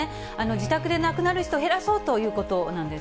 自宅で亡くなる人を減らそうということなんです。